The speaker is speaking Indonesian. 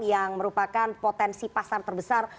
yang merupakan potensi pasar terbesar